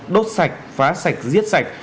đốt sạch phá sạch giết sạch